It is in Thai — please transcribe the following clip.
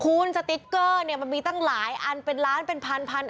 คุณสติ๊กเกอร์เนี่ยมันมีตั้งหลายอันเป็นล้านเป็นพันพัน